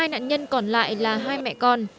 hai nạn nhân còn lại là hai mẹ con